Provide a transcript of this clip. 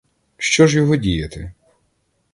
Що ж його діяти?